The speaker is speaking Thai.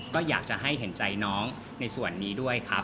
ก็อยากจะให้เห็นใจน้องในส่วนนี้ด้วยครับ